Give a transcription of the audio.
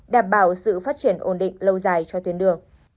đảm bảo sự phát triển ổn định lâu dài cho tuyến đường